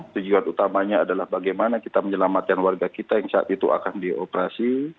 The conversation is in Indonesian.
tujuan utamanya adalah bagaimana kita menyelamatkan warga kita yang saat itu akan dioperasi